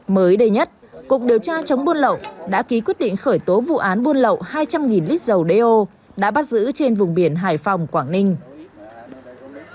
mới đây nhất cục điều tra chống buôn lậu đã ký quyết định khởi tố vụ án buôn lậu hai trăm linh lít dầu đeo đã bắt giữ trên vùng biển hải phòng quảng ninh